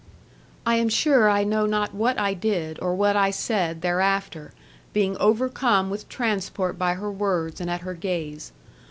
I am sure I know not what I did, or what I said thereafter, being overcome with transport by her words and at her gaze.